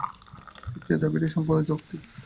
তৃতীয় দাবিটি সম্পূর্ণ যৌক্তিক।